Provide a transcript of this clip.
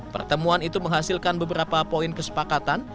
pertemuan itu menghasilkan beberapa poin kesepakatan